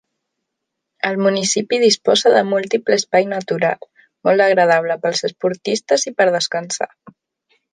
El municipi disposa de múltiple espai natural, molt agradable pels esportistes i per descansar.